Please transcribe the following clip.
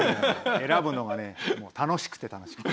選ぶのが楽しくて楽しくて。